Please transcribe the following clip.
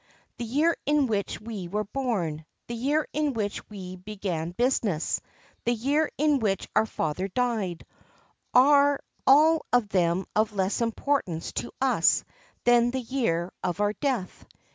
The year in which we were born, the year in which we began business, the year in which our father died, are all of them of less importance to us than the year of our death.